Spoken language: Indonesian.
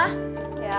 nanti kamu dimakan